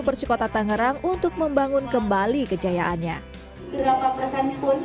persikota tangerang untuk membangun kembali kejayaannya berapa persen pun